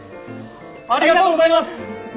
ありがとうございます！